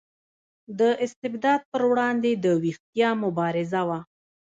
د استبداد پر وړاندې د ویښتیا مبارزه وه.